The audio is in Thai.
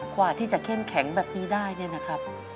กว่าที่จะเข้มแข็งแบบนี้ได้เนี่ยนะครับ